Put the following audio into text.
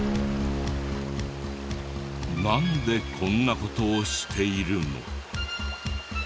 なんでこんな事をしているの？